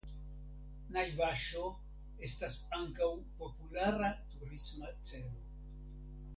Najvaŝo estas ankaŭ populara turisma celo.